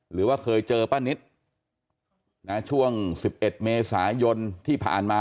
หรือว่าเคยเจอป้านิตช่วง๑๑เมษายนที่ผ่านมา